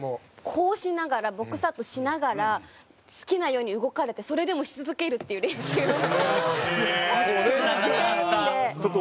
こうしながらボックスアウトしながら好きなように動かれて、それでもし続けるっていう練習をコート中、全員で。